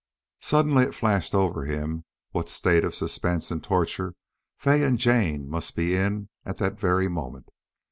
Suddenly it flashed over him what state of suspense and torture Fay and Jane must be in at that very moment.